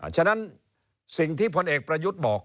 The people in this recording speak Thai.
ฉะนั้นสิ่งที่พลเอกประยุทธ์บอก